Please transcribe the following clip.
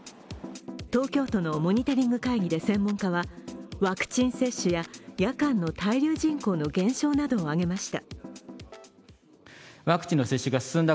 東京都のモニタリング会議で専門家はワクチン接種や夜間の滞留人口の減少などとを挙げました。